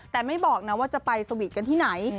แต่ไม่บอกนะว่าจะไปสวีทกันที่ไหน